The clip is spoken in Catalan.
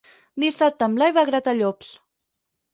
Dissabte en Blai va a Gratallops.